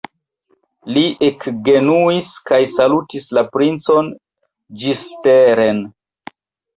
Li ekgenuis kaj salutis la princon ĝisteren.